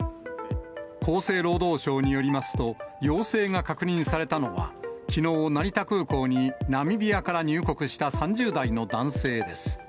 厚生労働省によりますと、陽性が確認されたのは、きのう、成田空港にナミビアから入国した３０代の男性です。